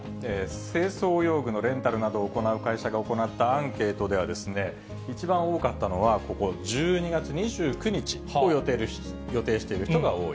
清掃用具のレンタルなどを行う会社が行ったアンケートではですね、一番多かったのがここ、１２月２９日を予定している人が多い。